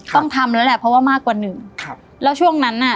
ต้องทำแล้วแหละเพราะว่ามากกว่าหนึ่งครับแล้วช่วงนั้นน่ะ